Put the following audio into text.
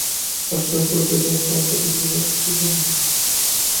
আজ শয়ন করিতে যাও, কাল প্রাতঃকালেই যাত্রা করিতে হইবে।